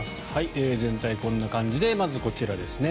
全体こんな感じでまず、こちらですね。